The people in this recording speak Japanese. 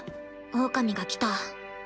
オオカミが来た。